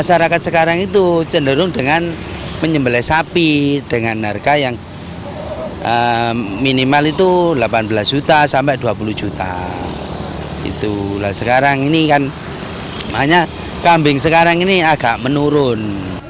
sekarang ini kan makanya kambing sekarang ini agak menurun